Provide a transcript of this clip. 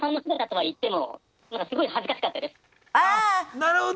なるほど。